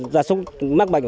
gia súc mắc bệnh